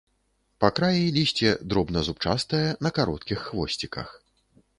Па краі лісце дробназубчастае, на кароткіх хвосціках.